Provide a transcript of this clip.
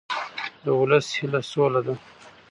د ولس هیله سوله ده